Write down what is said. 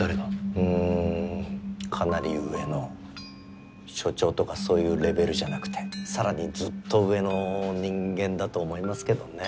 うんかなり上の署長とかそういうレベルじゃなくて更にずっと上の人間だと思いますけどね。